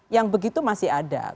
yang begitu masih ada